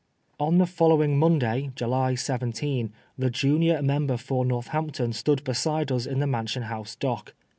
On the following Monday, July 17, the junior Member for Northampton stood beside us in the Mansion House dock.